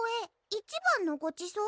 一番のごちそう？